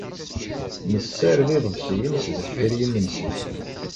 Nessared iḍebsiyen sdeffir yimensi.